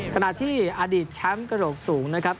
ขณะที่อดีตแชมป์กระโหลกสูงนะครับ